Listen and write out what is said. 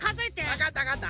わかったわかった。